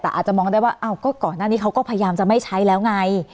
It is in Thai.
แต่อาจจะมองได้ว่าอ้าวก็ก่อนหน้านี้เขาก็พยายามจะไม่ใช้แล้วไง